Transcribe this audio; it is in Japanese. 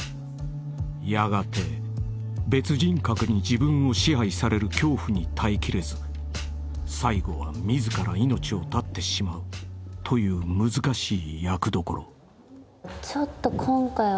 ［やがて別人格に自分を支配される恐怖に耐え切れず最後は自ら命を絶ってしまうという難しい役どころ］